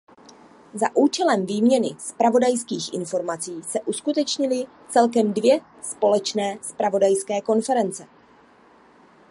Za účelem výměny zpravodajských informací se uskutečnily celkem dvě společné zpravodajské konference.